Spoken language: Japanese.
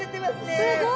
すごい。